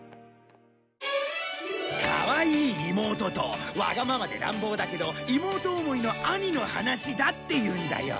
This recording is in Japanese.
かわいい妹とわがままで乱暴だけど妹思いの兄の話だっていうんだよ。